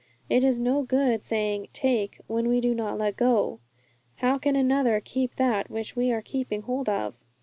It is no good saying 'take,' when we do not let go. How can another keep that which we are keeping hold of?